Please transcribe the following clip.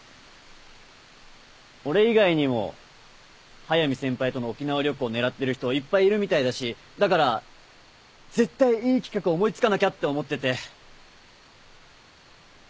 俺以外にも速見先輩との沖縄旅行狙ってる人いっぱいいるみたいだしだから絶対いい企画思い付かなきゃって思ってて。